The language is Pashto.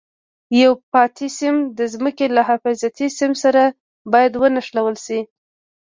یو پاتې سیم د ځمکې له حفاظتي سیم سره باید ونښلول شي.